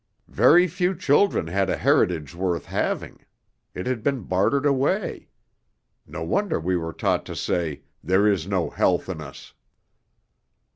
Very few children had a heritage worth having. It had been bartered away. No wonder we were taught to say, 'There is no health in us.'"